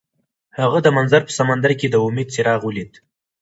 هغه د منظر په سمندر کې د امید څراغ ولید.